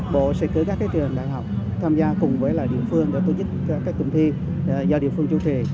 bộ sẽ cử các trường đại học tham gia cùng với địa phương để tổ chức các cụm thi do địa phương chủ trì